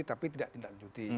tapi tidak ditindaklanjuti